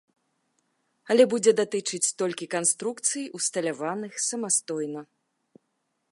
Але будзе датычыць толькі канструкцый, усталяваных самастойна.